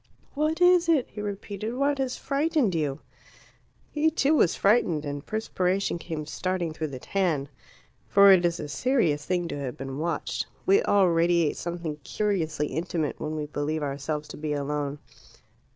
"What is it?" he repeated. "What has frightened you?" He, too, was frightened, and perspiration came starting through the tan. For it is a serious thing to have been watched. We all radiate something curiously intimate when we believe ourselves to be alone.